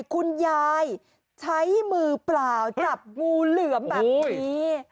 คุณยายใช้มือเปล่าจับงูเหลือมแบบนี้